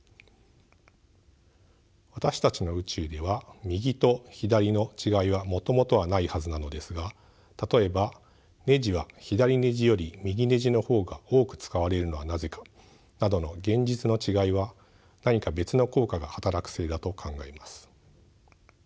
私たちの宇宙では右と左の違いはもともとはないはずなのですが例えばネジは左ネジより右ネジの方が多く使われるのはなぜかなどの現実の違いは何か別の効果が働くせいだと考えます。